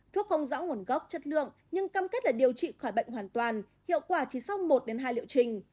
thuốc không rõ nguồn gốc chất lượng nhưng cam kết là điều trị khỏi bệnh hoàn toàn hiệu quả chỉ sau một hai liệu trình